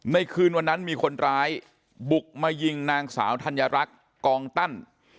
คืนวันนั้นมีคนร้ายบุกมายิงนางสาวธัญรักษ์กองตั้น